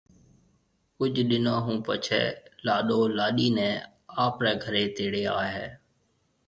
ڪجھ ڏنون ھون پڇيَ لاڏو لاڏِي نيَ آپرَي گھرَي تيڙي آئيَ ھيََََ